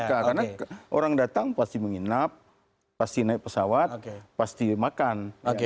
karena orang datang pasti menginap pasti naik pesawat pasti makan